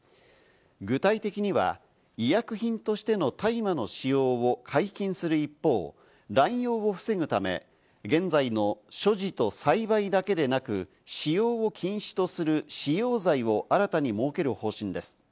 具体的には、医薬品としての大麻の使用を解禁する一方、乱用を防ぐため、現在の所持と栽培だけでなく、使用を禁止とする使用罪を新たに設ける方針です。